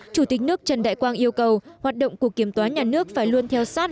chủ tịch nước trần đại quang yêu cầu hoạt động của kiểm toán nhà nước phải luôn theo sát